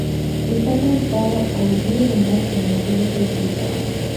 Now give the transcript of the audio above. Está conectado al Wii Remote con el fin de ser utilizado.